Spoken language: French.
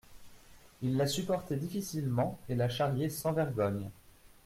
Il la supportait difficilement et la charriait sans vergogne.